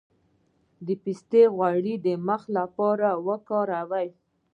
د پسته غوړي د مخ لپاره وکاروئ